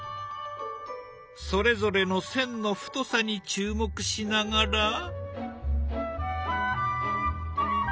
それぞれの線の太さに注目しながら。